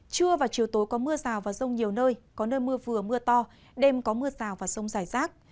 trưa và chiều tối có mưa rào và rông nhiều nơi có nơi mưa vừa mưa to đêm có mưa rào và rông rải rác